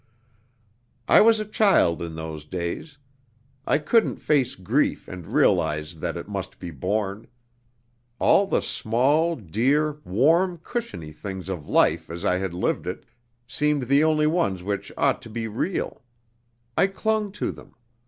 "I was a child in those days. I couldn't face grief and realize that it must be borne. All the small, dear, warm, cushiony things of life as I had lived it, seemed the only ones which ought to be real. I clung to them.